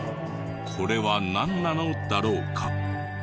これはなんなのだろうか？